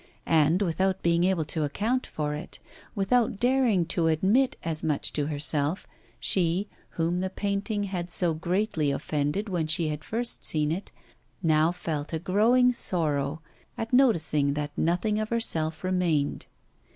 And, without being able to account for it, without daring to admit as much to herself, she, whom the painting had so greatly offended when she had first seen it, now felt a growing sorrow at noticing that nothing of herself remained.